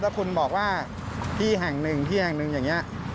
แล้วคุณบอกว่าที่แห่งหนึ่งที่แห่งหนึ่งอย่างนี้